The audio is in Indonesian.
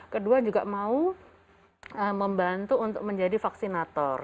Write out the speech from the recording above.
kedua juga mau membantu untuk menjadi vaksinator